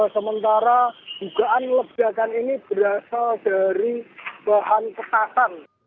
sementara dugaan ledakan ini berasal dari bahan petasan